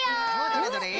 どれどれ？